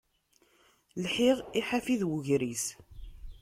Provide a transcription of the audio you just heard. Lḥiɣ i ḥafi d ugris.